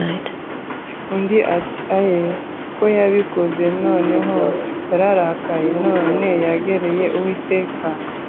Undi ati: “Aye, ko yabikoze.” “Noneho yararakaye, none yegereye Uwiteka